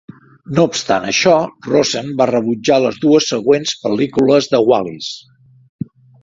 No obstant això, Rossen va rebutjar les dues següents pel·lícules de Wallis.